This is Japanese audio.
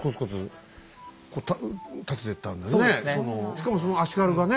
しかもその足軽がね。